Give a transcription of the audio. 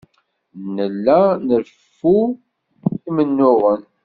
Nella nferru imennuɣen.